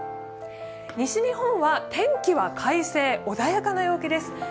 西日本は天気は快晴、穏やかな陽気です。